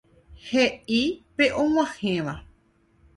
He'i pe og̃uahẽva.